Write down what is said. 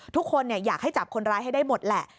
ทุกคนอยากให้จับคนร้ายให้ได้หมดแหละ